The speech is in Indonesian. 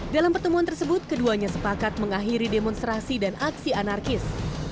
dalam pertemuan tersebut keduanya sepakat mengakhiri demonstrasi dan aksi anarkis